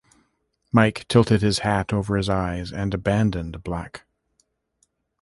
Mike tilted his hat over his eyes and abandoned Black.